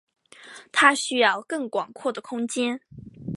他需要更广阔的空间。